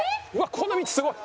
この道すごい！